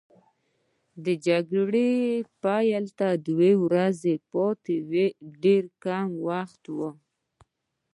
د جګړې پیل ته دوه ورځې پاتې وې، ډېر کم وخت وو.